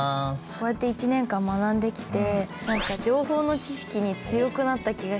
こうやって１年間学んできて何か情報の知識に強くなった気がして。